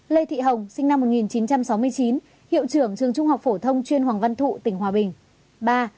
ba lê thị hồng sinh năm một nghìn chín trăm sáu mươi chín hiệu trưởng trường trung học phổ thông chuyên hoàng văn thụ tỉnh hòa bình